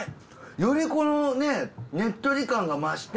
よりこのねねっとり感が増して。